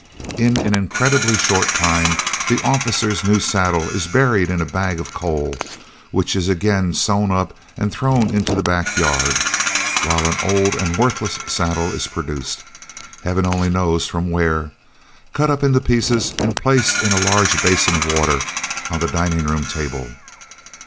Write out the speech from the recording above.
In an incredibly short time the officer's new saddle is buried in a bag of coal, which is again sewn up and thrown into the back yard, while an old and worthless saddle is produced, Heaven only knows from where, cut up into pieces and placed in a large basin of water on the dining room table.